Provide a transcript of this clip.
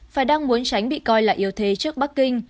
phải đang muốn tránh bị coi là yếu thế trước bắc kinh